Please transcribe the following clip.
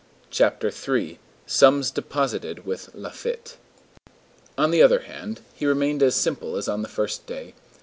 CHAPTER III—SUMS DEPOSITED WITH LAFFITTE On the other hand, he remained as simple as on the first day.